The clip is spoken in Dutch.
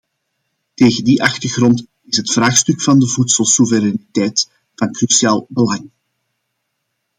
Tegen die achtergrond is het vraagstuk van de voedselsoevereiniteit van cruciaal belang.